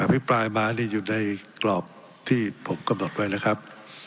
พิปรายมานี่อยู่ในกรอบที่ผมกำหนดไว้นะครับ